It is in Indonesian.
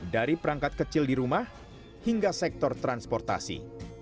dari perangkat kecil di rumah hingga sektor transportasi